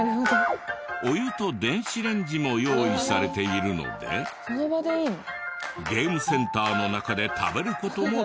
お湯と電子レンジも用意されているのでゲームセンターの中で食べる事もできる。